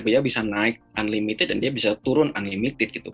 dia bisa naik unlimited dan dia bisa turun unlimited gitu